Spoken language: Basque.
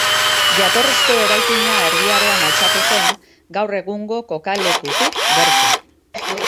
Jatorrizko eraikina Erdi Aroan altxatu zen, gaur egungo kokalekutik gertu.